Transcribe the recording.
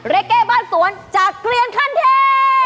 เก้บ้านสวนจากเกลียนคันเท